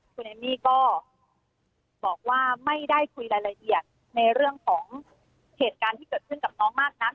คุณเอมมี่ก็บอกว่าไม่ได้คุยรายละเอียดในเรื่องของเหตุการณ์ที่เกิดขึ้นกับน้องมากนัก